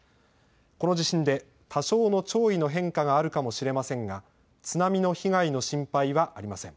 この地震で多少の潮位の変化があるかもしれませんが津波の被害の心配はありません。